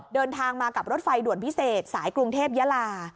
เดินทางมากับรถไฟด่วนพิเศษสายกรุงเทพยาลา